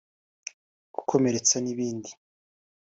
gukomeretsa n’ibindi